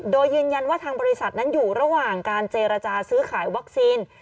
โดยยืนยันว่าทางบริษัทนั้นอยู่ระหว่างการเจรจาซื้อขายวัคซีน